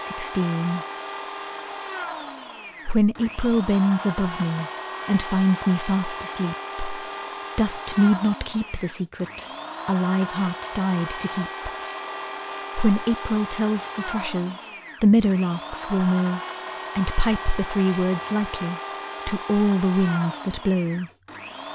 "I Love You" When April bends above me And finds me fast asleep, Dust need not keep the secret A live heart died to keep. When April tells the thrushes, The meadow larks will know, And pipe the three words lightly To all the winds that blow.